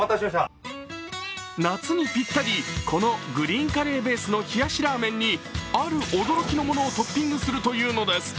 夏にぴったり、このグリーンカレーベースの冷やしラーメンにある驚きのものをトッピングするというのです。